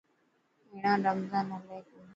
هيڻا رمضان هلي پيو.